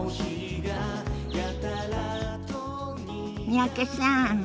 三宅さん